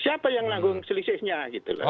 siapa yang nanggung selisihnya gitu loh